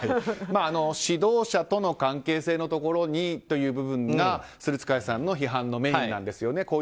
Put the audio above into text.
指導者との関係性のところにという部分がスルツカヤさんの批判のメインなんですよね。